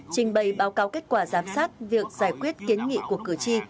trình bày báo cáo kết quả giám sát việc giải quyết kiến nghị của cử tri